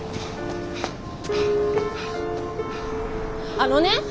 あのね！